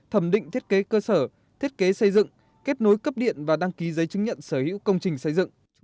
thẩm định thiết kế cơ sở thiết kế xây dựng kết nối cấp điện và đăng ký giấy chứng nhận sở hữu công trình xây dựng